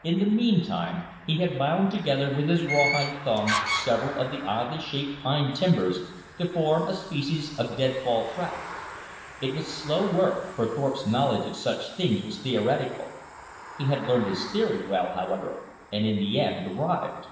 In the meantime, he had bound together with his rawhide thongs several of the oddly shaped pine timbers to form a species of dead fall trap. It was slow work, for Thorpe's knowledge of such things was theoretical. He had learned his theory well, however, and in the end arrived.